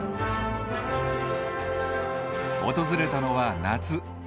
訪れたのは夏。